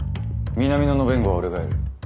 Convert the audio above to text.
南野の弁護は俺がやる。